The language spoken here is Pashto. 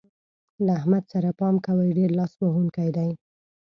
له احمد سره پام کوئ؛ ډېر لاس وهونکی دی.